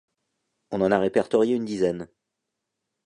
On en a répertorié une dizaine.